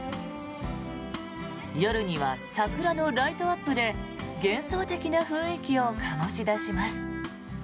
夜には、桜のライトアップで幻想的な雰囲気を醸し出します。